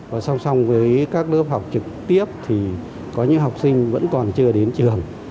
và song song với các lớp học trực tiếp thì có những học sinh vẫn còn chưa đến trường